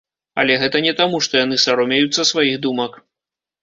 Але гэта не таму, што яны саромеюцца сваіх думак.